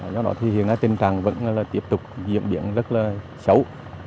do đó thì hiện nay tình trạng vẫn là tiếp tục diễn biến rất là xấu